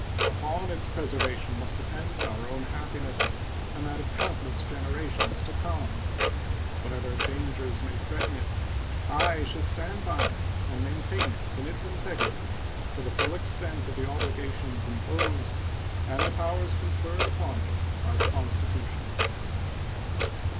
Upon its preservation must depend our own happiness and that of countless generations to come. Whatever dangers may threaten it, I shall stand by it and maintain it in its integrity to the full extent of the obligations imposed and the powers conferred upon me by the Constitution.